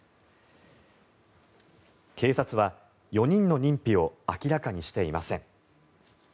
警察は４人の認否を明らかにしていません。